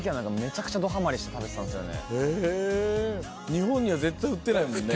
日本には絶対売ってないもんね。